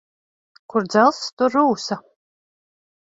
Kur dzelzs, tur rūsa.